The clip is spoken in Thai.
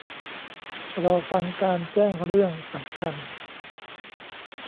รอฟังการแจ้งเรื่องสำคัญ